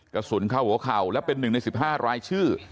กระสุนเข้าหัวเข่าและเป็น๑ใน๑๕รายชื่อ